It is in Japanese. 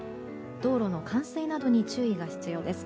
道路の冠水などに注意が必要です。